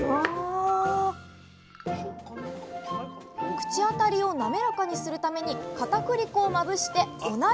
口当たりを滑らかにするためにかたくり粉をまぶしてお鍋にイン！